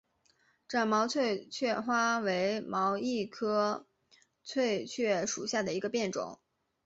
展毛翠雀花为毛茛科翠雀属下的一个变种。